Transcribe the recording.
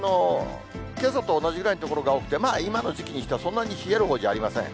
けさと同じぐらいの所が多くて、今の時期にしてはそんなに冷えるほうじゃありません。